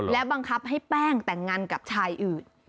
และบังคับให้แป้งแต่งงานกับชายอื่น